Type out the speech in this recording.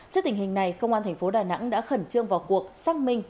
trước tình hình này công an thành phố đà nẵng đã khẩn trương vào cuộc xác minh